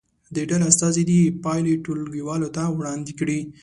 د ډلې استازي دې پایلې ټولګي والو ته وړاندې کړي.